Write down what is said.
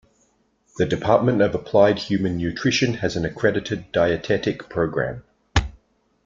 The Department of Applied Human Nutrition has an accredited dietetic program.